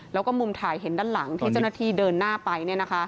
แล้วก็มุมถ่ายเห็นด้านหลังที่เจ้าหน้าที่เดินหน้าไป